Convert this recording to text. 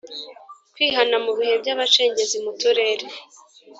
kwihana Mu bihe by abacengezi mu Turere